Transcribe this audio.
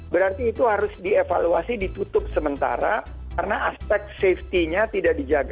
berarti itu harus dievaluasi ditutup sementara karena aspek safety nya tidak dijaga